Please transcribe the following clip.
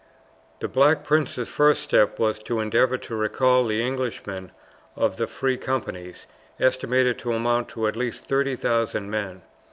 The Black Prince's first step was to endeavour to recall the Englishmen of the free companies, estimated to amount to at least 30,000 men.